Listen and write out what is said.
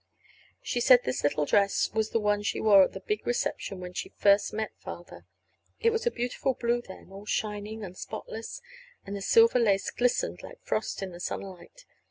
She said this little dress was the one she wore at the big reception where she first met Father. It was a beautiful blue then, all shining and spotless, and the silver lace glistened like frost in the sunlight.